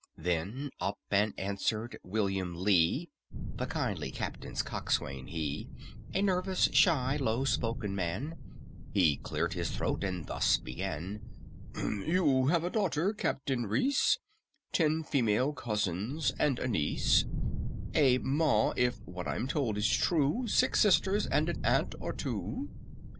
Then up and answered WILLIAM LEE (The kindly captain's coxswain he, A nervous, shy, low spoken man), He cleared his throat and thus began: "You have a daughter, CAPTAIN REECE, Ten female cousins and a niece, A Ma, if what I'm told is true, Six sisters, and an aunt or two.